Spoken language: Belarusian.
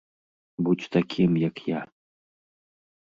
Будзь такім, як я!